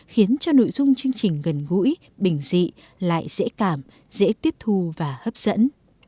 khiến cho nội dung chương trình gần gũi bình dị lại dễ cảm dễ tiếp thu và hấp dẫn